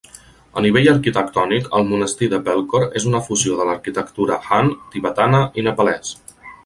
A nivell arquitectònic, el monestir de Pelkhor és una fusió de l"arquitectura han, tibetana i nepalès.